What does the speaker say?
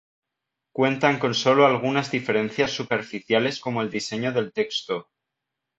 Cuentan con solo algunas diferencias superficiales como el diseño del texto.